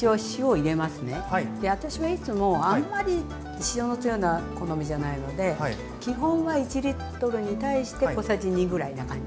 私はいつもあんまり塩の強いのは好みじゃないので基本は１に対して小さじ２ぐらいな感じ。